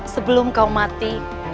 sebelum kau mati